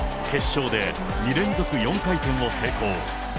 決勝で２連続４回転を成功。